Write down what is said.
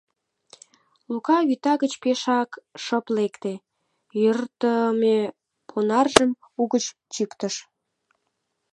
Лука вӱта гыч пешак шып лекте, йӧртымӧ понаржым угыч чӱктыш.